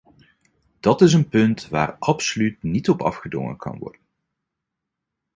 Dat is een punt waar absoluut niet op afgedongen kan worden.